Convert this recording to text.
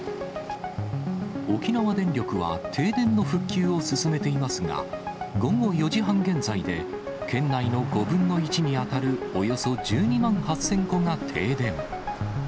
沖縄電力は停電の復旧を進めていますが、午後４時半現在で、県内の５分の１に当たるおよそ１２万８０００戸が停電。